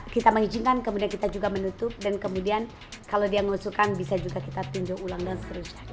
kita mengizinkan kemudian kita juga menutup dan kemudian kalau dia mengusulkan bisa juga kita tunjuk ulang dan seterusnya